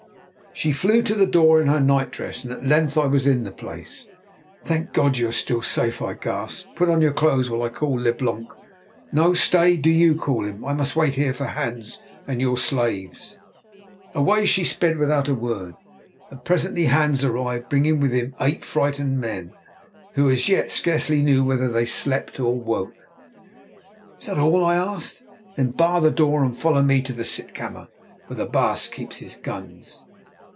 She flew to the door in her nightdress, and at length I was in the place. "Thank God! you are still safe," I gasped. "Put on your clothes while I call Leblanc. No, stay, do you call him; I must wait here for Hans and your slaves." Away she sped without a word, and presently Hans arrived, bringing with him eight frightened men, who as yet scarcely knew whether they slept or woke. "Is that all?" I asked. "Then bar the door and follow me to the sitkammer, where the baas keeps his guns."